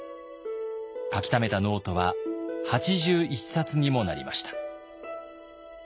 書きためたノートは８１冊にもなりました。